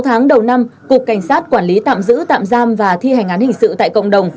sáu tháng đầu năm cục cảnh sát quản lý tạm giữ tạm giam và thi hành án hình sự tại cộng đồng